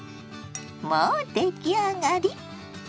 もう出来上がり。